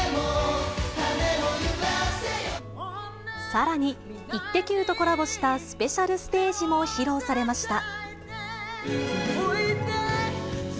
さらに、イッテＱ！とコラボしたスペシャルステージも披露されました。